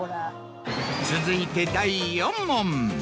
続いて第４問。